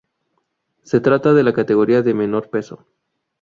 Se trata de la categoría de menor peso.